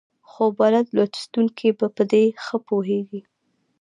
خو بلد لوستونکي په دې ښه پوهېږي.